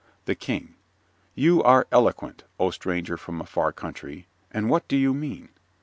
THE KING You are eloquent, O stranger from a far country, and what do you mean?